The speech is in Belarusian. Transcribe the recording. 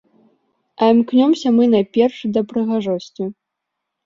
А імкнёмся мы, найперш, да прыгажосці.